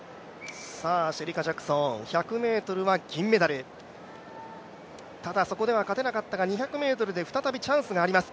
シェリカ・ジャクソン１００ｍは銀メダル、しかしそこでは勝てなかったが２００ｍで再びチャンスがあります。